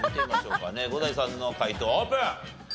伍代さんの解答オープン。